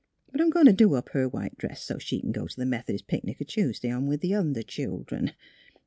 But I'm goin' to' do up her white dress so 't she c'n go t' the Meth'dist picnic a Tuesday, along o' th' other childern.